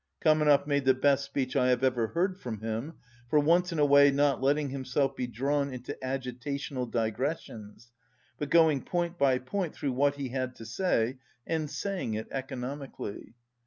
Kamenev made the best speech I have ever heard from him, for once in a way not letting himself be drawn into agitational digressions, but going point by point through what he had to say and saying it 164 economically.